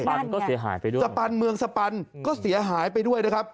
ควันก็เสียหายไปด้วยสปันเมืองสปันก็เสียหายไปด้วยนะครับ